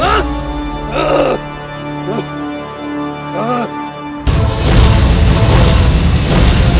aku akan menang